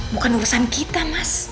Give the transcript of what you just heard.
bukan urusan kita mas